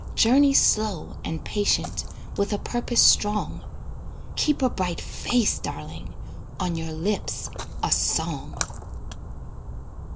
Journey slow and patient With a purpose strong. Keep a bright face, darling, On your lips a song.